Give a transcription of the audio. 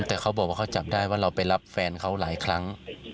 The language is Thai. แต่เขาบอกว่าเขาจับได้ว่าเราไปรับแฟนเขาหลายครั้ง